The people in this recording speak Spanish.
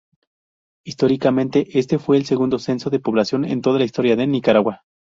Históricamente, este fue el segundo censo de población en toda la Historia de Nicaragua.